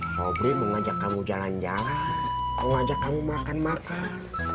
sobri mengajak kamu jalan jalan mengajak kamu makan makan